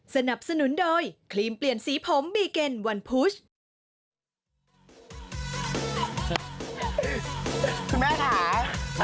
คุณแม่ขายวันนี้ร้านเราเด็กไม่อยู่ใจหรอคะ